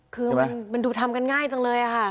คือมันดูทำกันง่ายจังเลยค่ะ